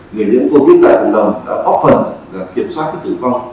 nghệ liệu covid tại bộ y tế đã bóp phần kiểm soát tử vong